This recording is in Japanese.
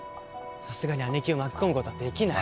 さすがに姉貴を巻き込むことはできない